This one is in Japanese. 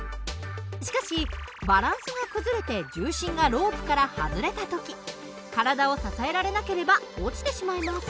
しかしバランスが崩れて重心がロープから外れた時体を支えられなければ落ちてしまいます。